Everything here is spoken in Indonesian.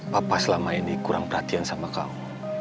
bapak selama ini kurang perhatian sama kamu